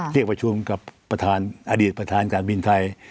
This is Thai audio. เรียกประชุมกับประธานอดีตประธานการบินไทย